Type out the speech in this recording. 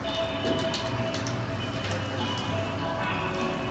Foreman message পাঠিয়েছে।